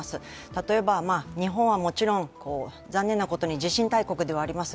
例えば日本はもちろん、残念なことに地震大国ではあります。